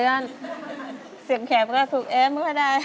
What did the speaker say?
เสียงแขมก็ถูกแอมก็ได้